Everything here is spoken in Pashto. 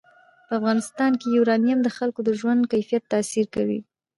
په افغانستان کې یورانیم د خلکو د ژوند په کیفیت تاثیر کوي.